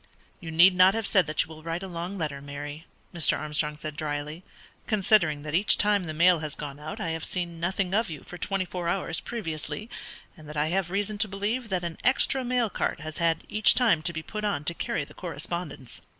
"You need not have said that you will write a long letter, Mary," Mr. Armstrong said, drily, "considering that each time the mail has gone out I have seen nothing of you for twenty four hours previously, and that I have reason to believe that an extra mail cart has had each time to be put on to carry the correspondence."